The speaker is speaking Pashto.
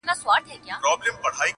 ډلي وینم د مرغیو پورته کیږي!